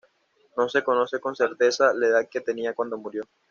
No se conoce con certeza la edad que tenía cuando murió.